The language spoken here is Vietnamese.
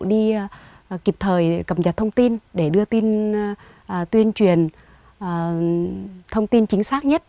đi kịp thời cầm nhặt thông tin để đưa tin tuyên truyền thông tin chính xác nhất